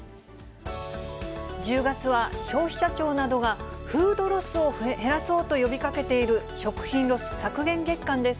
１０月は、消費者庁などがフードロスを減らそうと呼びかけている、食品ロス削減月間です。